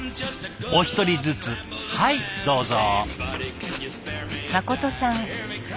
お一人ずつはいどうぞ。